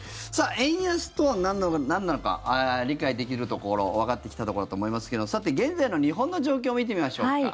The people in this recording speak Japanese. さあ、円安とはなんなのか理解できるところわかってきたところだと思いますけれどもさて、現在の日本の状況見てみましょうか。